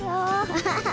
アハハ。